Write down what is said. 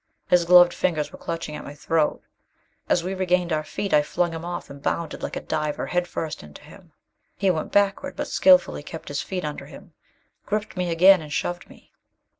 His gloved fingers were clutching at my throat. As we regained our feet, I flung him off, and bounded like a diver, head first, into him. He went backward, but skillfully kept his feet under him, gripped me again and shoved me.